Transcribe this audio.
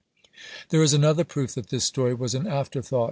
There is another proof that this story was an afterthought.